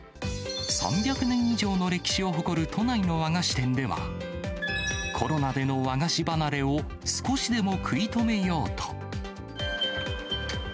３００年以上の歴史を誇る都内の和菓子店では、コロナでの和菓子離れを少しでも食い止めようと。